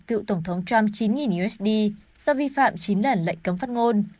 cựu tổng thống trump chín usd do vi phạm chín lần lệnh cấm phát ngôn